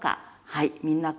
はい！